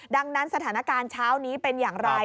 ดังนั้นสถานการณ์เช้านี้เป็นอย่างไร